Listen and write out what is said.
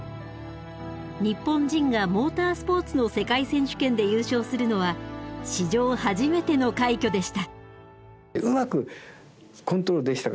日本人がモータースポーツの世界選手権で優勝するのは史上初めての快挙でした。